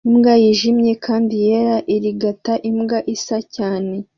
Imbwa yijimye kandi yera irigata imbwa isa cyane